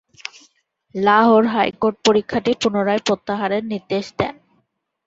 Lahore high court পরীক্ষাটি পুনরায় প্রত্যাহারের নির্দেশ দেন।